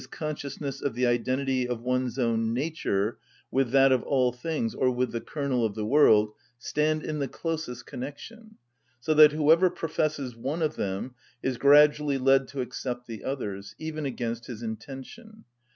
_, consciousness of the identity of one's own nature with that of all things or with the kernel of the world, stand in the closest connection; so that whoever professes one of them is gradually led to accept the others, even against his intention.